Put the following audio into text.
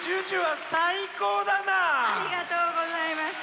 ありがとうございます。